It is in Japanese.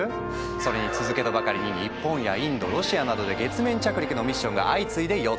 それに続けとばかりに日本やインドロシアなどで月面着陸のミッションが相次いで予定。